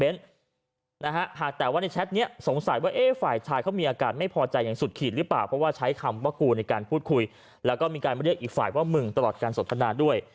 แล้วก็มีการมาเรียกอีกฝ่ายว่ามึงตลอดการสนทนาด้วย